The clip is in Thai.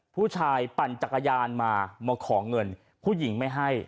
ปั่นจักรยานมามาขอเงินผู้หญิงไม่ให้